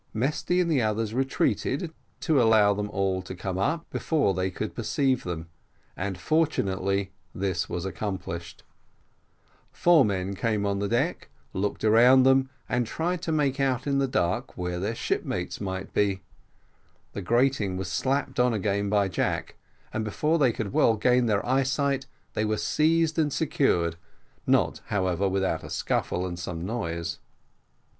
Mesty and the others retreated, to allow them all to come up before they could perceive them, and fortunately this was accomplished. Four men came on the deck, looked round them, and tried to make out in the dark where their shipmates might be. The grating was slapped on again by Jack, and before they could well gain their eyesight, they were seized and secured, not, however, without a scuffle and some noise.